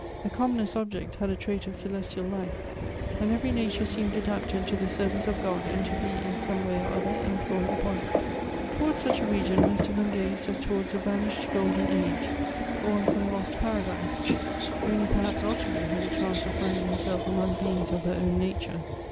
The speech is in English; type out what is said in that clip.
The commonest object had a trait of celes tial life ; and every nature seemed adapted to the service of God, and to be, in some way or other, employed upon it. Towards such a region most of them gazed as towards a vanished golden age, or on some lost parailise ; only perhaps Ottilie had a chance of finding herself among beings of her own nature.